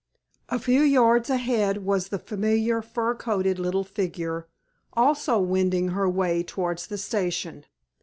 A few yards ahead was the familiar fur coated little figure, also wending her way towards the station.